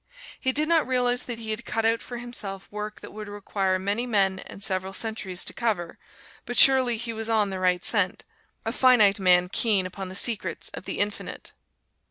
He did not realize that he had cut out for himself work that would require many men and several centuries to cover, but surely he was on the right scent a finite man keen upon the secrets of the Infinite!